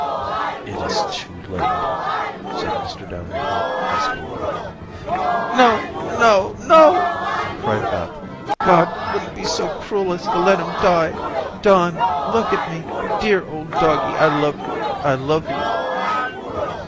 "It is too late," said Mr. Davenport huskily. "No, no, no," cried Beth; "God wouldn't be so cruel as to let him die. Don, look at me. Dear old doggie, I love you, I love you."